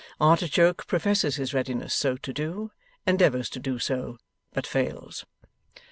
Artichoke professes his readiness so to do, endeavours to do so, but fails.